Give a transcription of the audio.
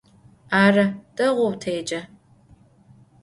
Arı, değou têce.